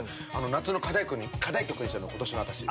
夏の課題曲にしたの、今年の私。